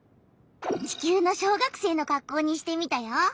地球の小学生のかっこうにしてみたよ。